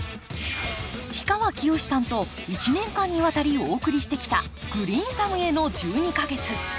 氷川きよしさんと１年間にわたりお送りしてきた「グリーンサムへの１２か月」。